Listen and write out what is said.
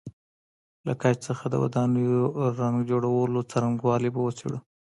له ګچ څخه د ودانیو رنګ جوړولو څرنګوالی به وڅېړو.